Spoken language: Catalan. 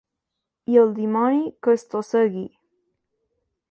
I el dimoni que estossegui!